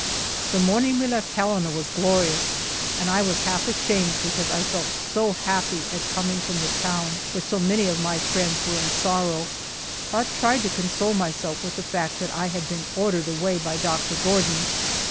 The morning we left Helena was glorious, and I was half ashamed because I felt so happy at coming from the town, where so many of my friends were in sorrow, but tried to console myself with the fact that I had been ordered away by Doctor Gordon.